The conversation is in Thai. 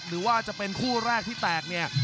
หรือว่าจะเป็นคู่แรกที่แตกเนี่ย